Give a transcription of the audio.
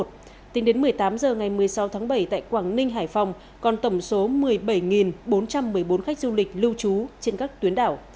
tính đến một mươi tám h ngày một mươi sáu tháng bảy tại quảng ninh hải phòng còn tổng số một mươi bảy bốn trăm một mươi bốn khách du lịch lưu trú trên các tuyến đảo